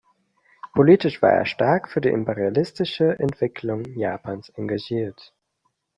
Politisch war er stark für die imperialistische Entwicklung Japans engagiert.